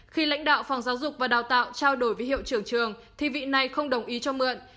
khi lãnh đạo phòng giáo dục và đào tạo trao đổi với hiệu trưởng trường thì vị này không đồng ý cho mượn